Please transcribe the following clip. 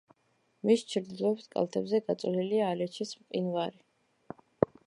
მის ჩრდილოეთ კალთებზე გაწოლილია ალეჩის მყინვარი.